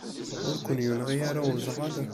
Ur ken-yenɣi ara uẓɣal?